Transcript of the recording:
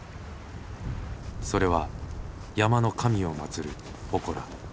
それは山の神をまつる祠。